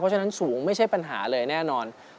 ฉะนั้นสูงไม่ใช่ปัญหาเลยแน่นอน